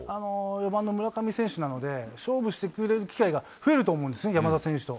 ４番の村上選手なので、勝負してくれる機会が増えると思うんですね、山田選手と。